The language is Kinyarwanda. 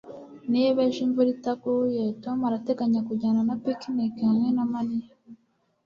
Niba ejo imvura itaguye Tom arateganya kujyana na picnic hamwe na Mariya